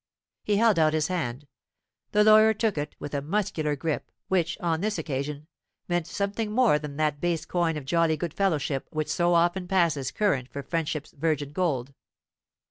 He held out his hand; the lawyer took it with a muscular grip, which, on this occasion, meant something more than that base coin of jolly good fellowship which so often passes current for friendship's virgin gold.